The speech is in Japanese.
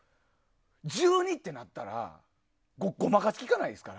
１２ってなったらごまかしきかないですから。